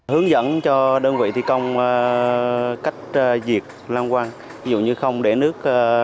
hướng dẫn cho đơn vị thi công cách diệt loang quang ví dụ như không để nước